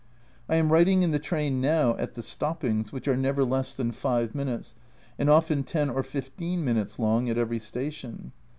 I am writing in the train now, at the stoppings, which are never less than five minutes, and often ten or fifteen minutes long, at every station.